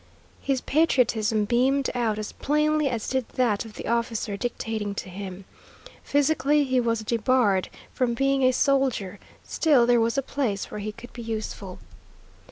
His patriotism beamed out as plainly as did that of the officer dictating to him. Physically he was debarred from being a soldier; still there was a place where he could be useful.